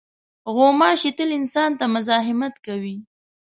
غوماشې تل انسان ته مزاحمت کوي.